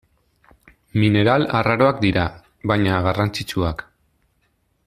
Mineral arraroak dira, baina garrantzitsuak.